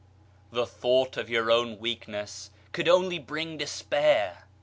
The thought of our own weakness could only bring despair.